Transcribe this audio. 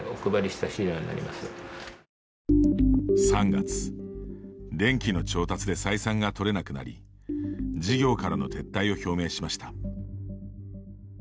３月、電気の調達で採算が取れなくなり事業からの撤退を表明しました。